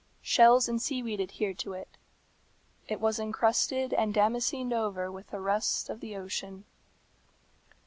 Shells and seaweed adhered to it. It was encrusted and damascened over with the rust of ocean.